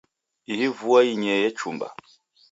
Ihi vua inyee echumba.